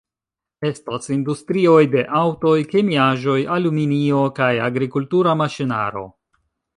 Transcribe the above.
Estas industrioj de aŭtoj, kemiaĵoj, aluminio kaj agrikultura maŝinaro.